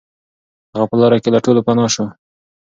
هغه په لاره کې له ټولو پناه شو.